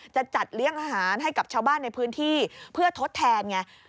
จะจัดเลี้ยงอาหารให้กับชาวบ้านในพื้นที่เพื่อทดแทนไง